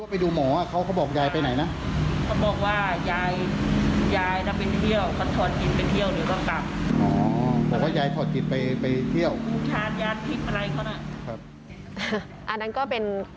อันนั้นก็เป็น